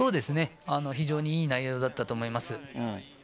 非常に良い内容だったと思います。